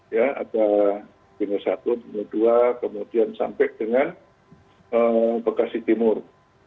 ya ada b satu b dua kemudian sampai dengan bekasi timur